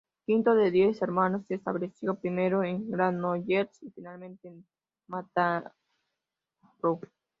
Quinto de diez hermanos, se estableció primero en Granollers y finalmente en Mataró.